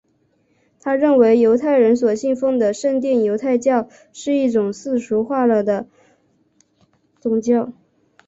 他们认为犹太人所信奉的圣殿犹太教是一种世俗化了的宗教。